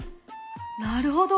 なるほど！